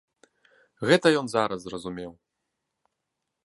Гэта ён зараз зразумеў.